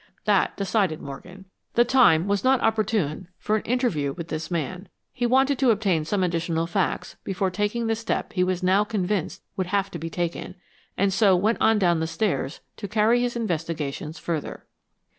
That decided Morgan. The time was not opportune for an interview with this man. He wanted to obtain some additional facts before taking the step he was now convinced would have to be taken, and so went on down the stairs to carry his investigations further.